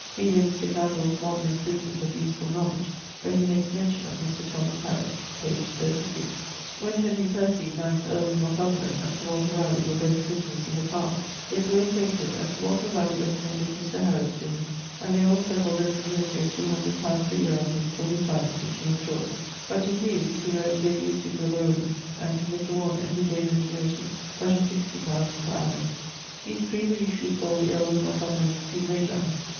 Vide Mr. Glanvill's Moderne Improvement of Usefull Knowledge, where he makes mention of Mr. Thomas Harriot, pag. 33. When earle of Northumberland, and Sir Walter Ralegh were both prisoners in the Tower, they grew acquainted, and Sir Walter Raleigh recommended Mr. Hariot to him, and the earle setled an annuity of two hundred pounds a yeare on him for his life, which he enjoyed. But to Hues[LXXV.] (who wrote De Usu Globorum) and to Mr. Warner he gave an annuity but of sixty pounds per annum. These 3 were usually called the earle of Northumberland's three Magi.